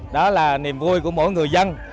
đó là niềm vui của mỗi người dân